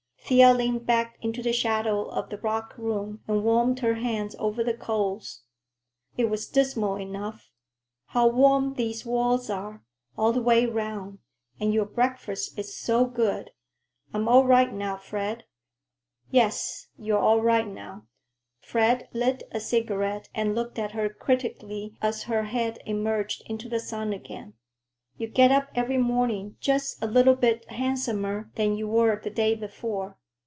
Thea leaned back into the shadow of the rock room and warmed her hands over the coals. "It was dismal enough. How warm these walls are, all the way round; and your breakfast is so good. I'm all right now, Fred." "Yes, you're all right now." Fred lit a cigarette and looked at her critically as her head emerged into the sun again. "You get up every morning just a little bit handsomer than you were the day before.